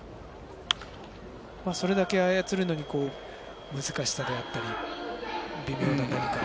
それだけ、操るのに難しさであったり微妙な何か。